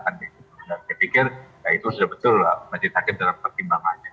dan saya pikir ya itu sudah betul lah wajib sakit dalam pertimbangannya